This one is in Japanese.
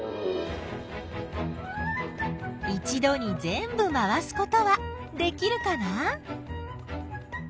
一どにぜんぶまわすことはできるかな？